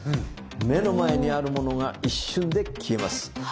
目の前にあるものが一瞬で消えます。